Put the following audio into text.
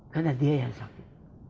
karena dia yang sakit